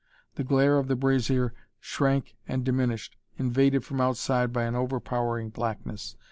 The glare of the brazier shrank and diminished, invaded from outside by an overpowering blackness.